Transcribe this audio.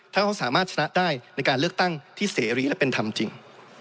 ถ้าเขาสามารถชนะได้ในการเลือกตั้งที่เสรีและเป็นธรรมจริง